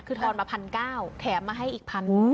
คือทอนมา๑๙๐๐แถมมาให้อีกพัน